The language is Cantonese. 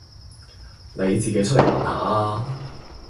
你自己出嚟聞吓呀